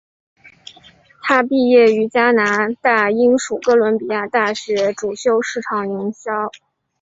她毕业于加拿大英属哥伦比亚大学主修市场营销。